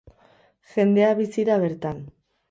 Jendea bizi da bertan.